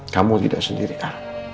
kamu tidak sendiri a